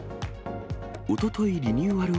おとといリニューアル